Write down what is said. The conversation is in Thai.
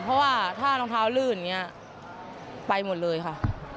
เพราะว่าถ้ารองเท้าลื่นอย่างนี้ไปหมดเลยค่ะ